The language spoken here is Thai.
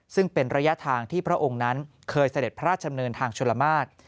ซึ่งเป็นระยะทางที่พระองค์นั้นเคยเสด็จพระราชดำเนินทางชลมาตร